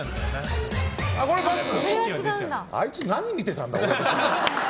あいつ、何見てたんだ？